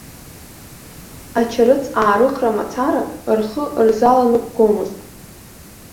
Ачарыц аарыхра мацара рхы рзаланыҟәгомызт.